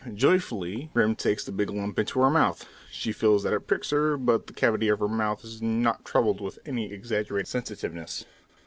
Joyfully Grim takes the big lump into her mouth. She feels that it pricks her, but the cavity of her mouth is not troubled with any exaggerated sensitiveness.